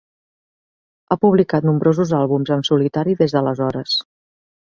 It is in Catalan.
Ha publicat nombrosos àlbums en solitari des d'aleshores.